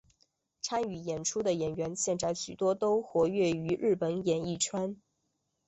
参与演出的演员现在许多都活跃于日本演艺圈。